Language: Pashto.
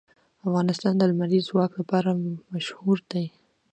افغانستان د لمریز ځواک لپاره مشهور دی.